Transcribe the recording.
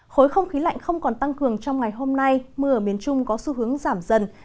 khối không khí lạnh không còn tăng cường trong ngày hôm nay mưa ở miền trung có xu hướng giảm dần